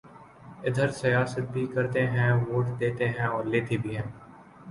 ا دھر سیاست بھی کرتے ہیں ووٹ دیتے ہیں اور لیتے بھی ہیں